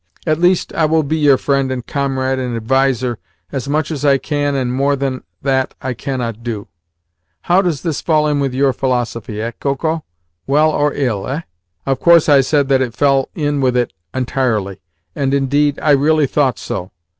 At least, I will be your friend and comrade and adviser as much as I can and more than that I cannot do. How does that fall in with your philosophy, eh, Koko? Well or ill, eh?" Of course I said that it fell in with it entirely, and, indeed, I really thought so.